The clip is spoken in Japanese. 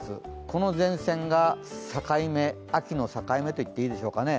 この前線が秋の境目といっていいでしょうね。